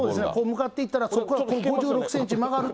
向かっていったら、５６センチ曲がると。